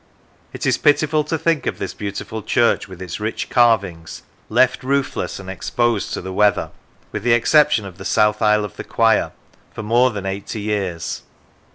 It is pitiful to think of this beautiful church, with its rich carvings, left roofless and exposed to the weather, (with the exception of the south aisle of the choir) for more than eighty years.